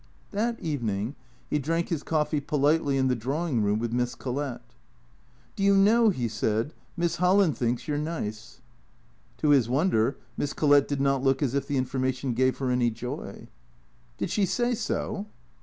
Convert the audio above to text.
That evening he drank his coffee politely in the drawing room with Miss Collett. " Do you know," he said, " Miss Holland thinks you 're nice." To his wonder Miss Collett did not look as if the information gave her any joy. " Did she say so